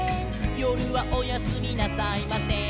「よるはおやすみなさいません」